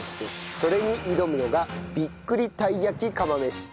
それに挑むのがびっ栗たい焼き釜飯。